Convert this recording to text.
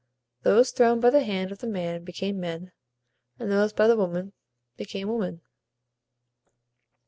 Those thrown by the hand of the man became men, and those by the woman became women.